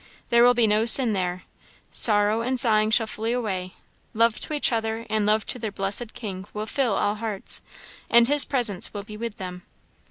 There will be no sin there; sorrow and sighing shall flee away; love to each other and love to their blessed King will fill all hearts, and his presence will be with them.